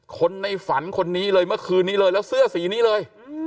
คนในฝันคนนี้เลยเมื่อคืนนี้เลยแล้วเสื้อสีนี้เลย